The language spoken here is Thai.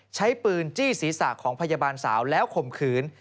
ใช้ปืนจี้ศีรษะของพยาบาลสาวแล้วข่มขืน